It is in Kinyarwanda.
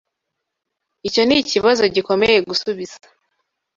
Icyo nikibazo gikomeye gusubiza.